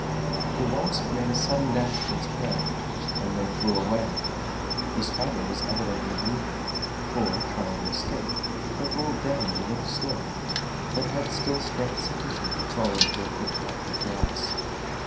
The wasp made a sudden dash at its prey, and then flew away: the spider was evidently wounded, for, trying to escape, it rolled down a little slope, but had still strength sufficient to crawl into a thick tuft of grass.